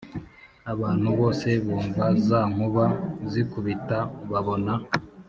Abantu bose bumva za nkuba zikubita babona